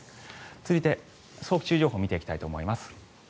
続いて早期注意情報を見ていきたいと思います。